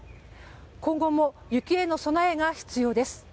今後も雪への備えが必要です。